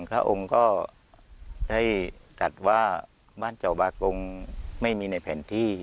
พระองค์ก็ได้จัดว่าบ้านเจ้าบากงไม่มีในแผนที่